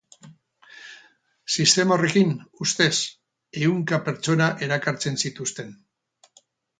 Sistema horrekin, ustez, ehunka pertsona erakartzen zituzten.